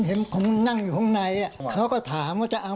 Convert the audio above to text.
คงนั่งอยู่ข้างในเขาก็ถามว่าจะเอา